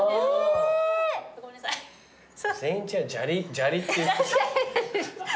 砂利って言ってた。